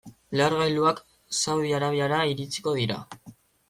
Lehergailuak Saudi Arabiara iritsiko dira.